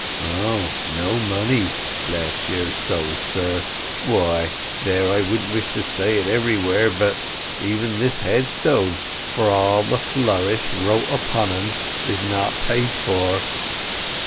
"Oh—no money. Bless your soul, sir, why—there, I wouldn't wish to say it everywhere, but—even this headstone, for all the flourish wrote upon en, is not paid for."